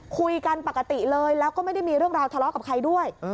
คุยกันปกติเลยแล้วก็ไม่ได้มีเรื่องราวทะเลาะกับใครด้วย